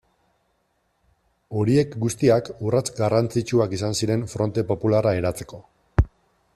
Horiek guztiak urrats garrantzitsuak izan ziren Fronte Popularra eratzeko.